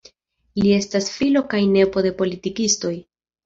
Li estas filo kaj nepo de politikistoj.